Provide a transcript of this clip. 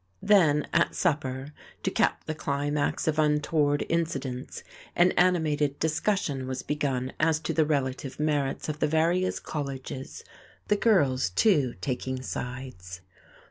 Then, at supper, to cap the climax of untoward incidents, an animated discussion was begun as to the relative merits of the various colleges, the girls, too, taking sides.